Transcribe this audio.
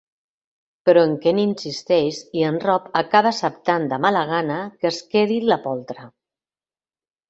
Però en Ken insisteix i en Rob acaba acceptant de mala gana que es quedi la poltra